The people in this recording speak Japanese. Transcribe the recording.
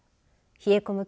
冷え込む